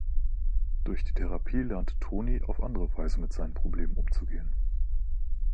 Durch die Therapie lernt Tony, auf andere Weise mit seinen Problemen umzugehen.